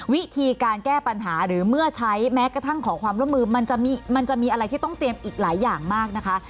วิธีการแก้ปัญหาหรือเมื่อใช้แม้กระทั่งขอความร่วมมือมันจะมีอะไรที่ต้องเตรียมอีกหลายอย่างมากนะคะ